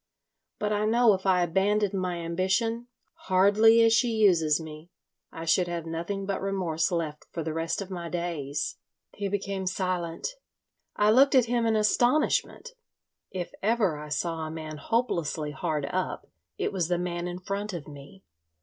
But I know if I abandoned my ambition—hardly as she uses me—I should have nothing but remorse left for the rest of my days." He became silent. I looked at him in astonishment. If ever I saw a man hopelessly hard up it was the man in front of me.